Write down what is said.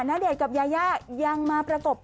ณเดชน์กับยายายังมาประกบ